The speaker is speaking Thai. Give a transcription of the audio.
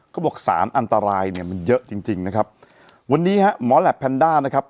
เขาบอกสารอันตรายเนี่ยมันเยอะจริงจริงนะครับวันนี้ฮะหมอแหลปแพนด้านะครับ